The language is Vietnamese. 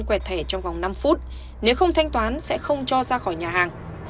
quẹt thẻ trong vòng năm phút nếu không thanh toán sẽ không cho ra khỏi nhà hàng